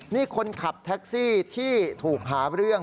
นี่คนขับแท็กซี่ที่ถูกหาเรื่อง